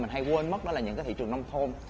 hay quên mất đó là những cái thị trường nông thôn